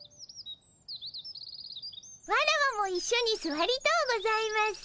ワラワもいっしょにすわりとうございます。